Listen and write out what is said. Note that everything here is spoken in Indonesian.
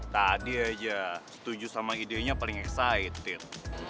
tadi aja setuju sama idenya paling excited